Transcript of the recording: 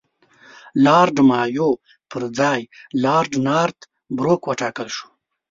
لارډ مایو پر ځای لارډ نارت بروک وټاکل شو.